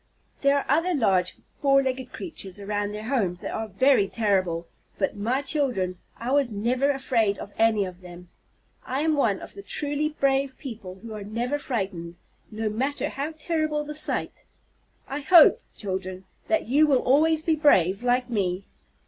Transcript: There are other large four legged creatures around their homes that are very terrible, but, my children, I was never afraid of any of them. I am one of the truly brave people who are never frightened, no matter how terrible the sight. I hope, children, that you will always be brave, like me.